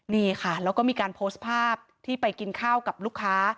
นี่ค่ะแล้วก็มีการโพสต์ภาพที่ไปกินข้าวกับลูกค้า